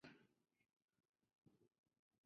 沙斯皮纳克。